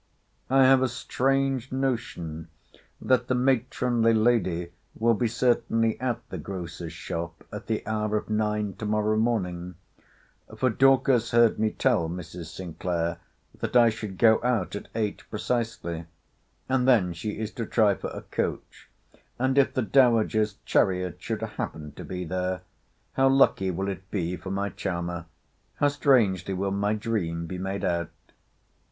I have a strange notion that the matronly lady will be certainly at the grocer's shop at the hour of nine tomorrow morning: for Dorcas heard me tell Mrs. Sinclair, that I should go out at eight precisely; and then she is to try for a coach: and if the dowager's chariot should happen to be there, how lucky will it be for my charmer! how strangely will my dream be made out!